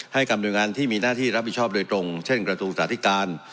ให้กำมจุดงานที่มีหน้าที่รับบิชชอบโดยตรงเช่นกระทรวงศึกษาธิการ